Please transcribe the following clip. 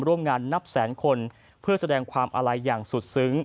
ร่วมงานนับแสนคนเพื่อแสดงความอาลัยอย่างสุดซึ้ง